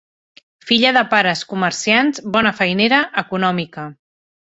Filla de pares comerciants, bona feinera, econòmica